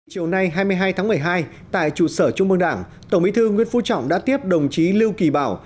chiều nay hai mươi hai tháng một mươi hai tại trụ sở trung mương đảng tổng bí thư nguyễn phú trọng đã tiếp đồng chí lưu kỳ bảo